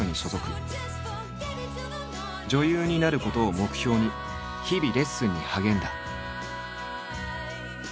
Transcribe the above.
女優になることを目標に日々レッスンに励んだ。